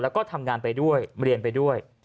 แล้วก็ทำงานไปด้วยเรียนไปด้วย